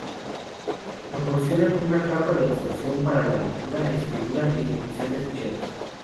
Proporciona una capa de abstracción para la lectura, escritura y ejecución de ficheros.